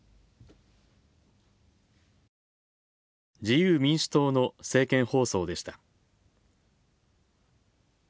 自由民主党の政見放送でした。